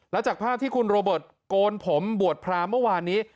แล้วจากภาพที่คุณโรเบิร์ตโกนผมบวชพรามเมื่อวานนี้